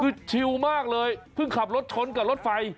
คือชิลมากเลยเพิ่งขับรถชนกับรถไฟ